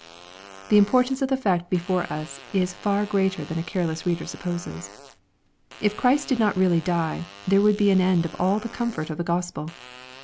The importance of the fact before us is far greater than a careless reader supposes. If Christ did not really die, there would be an end of all the comfort of the Gospel.